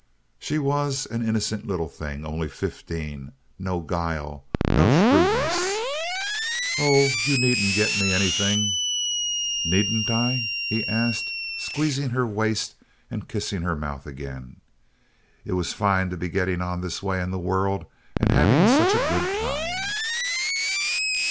She was an innocent little thing, only fifteen, no guile, no shrewdness. "Oh, you needn't get me anything." "Needn't I?" he asked, squeezing her waist and kissing her mouth again. It was fine to be getting on this way in the world and having such a good time.